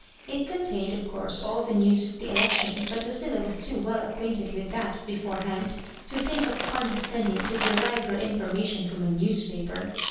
It contained, of course, all the news of the elec tion, but Lucilla was too well acquainted with that beforehand to think of condescending to derive her information from a newspaper.